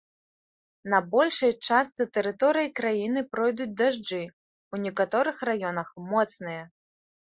На большай частцы тэрыторыі краіны пройдуць дажджы, у некаторых раёнах моцныя.